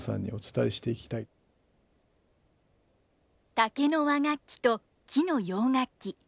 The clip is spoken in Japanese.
竹の和楽器と木の洋楽器。